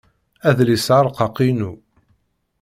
Adlis-a arqaq inu.